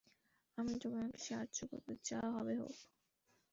আমি তোমাকে সাহায্য করব, যা হবে হোক।